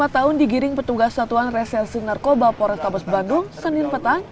ar dua puluh lima tahun digiring petugas satuan resensi narkoba polres tadepok bandung senin petang